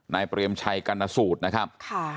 เปรมชัยกรรณสูตรนะครับ